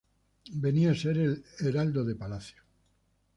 Venía a ser el "Heraldo de palacio".